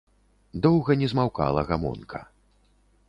Доўга не змаўкала гамонка.